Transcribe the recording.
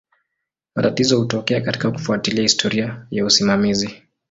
Matatizo hutokea katika kufuatilia historia ya usimamizi.